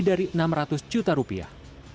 dari enam ratus juta rupiah